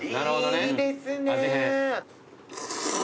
いいですね。